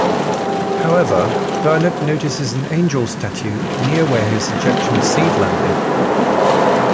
However, Burnett notices an angel statue near where his ejection seat landed.